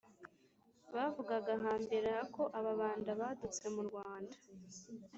bavugaga hambere aha ko ababanda badutse mu rwanda